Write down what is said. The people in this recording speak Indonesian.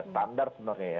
standar sebenarnya ya